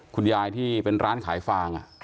คุณยายที่เป็นร้านขายฟาง